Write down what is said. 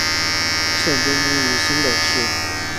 现定居于新北市。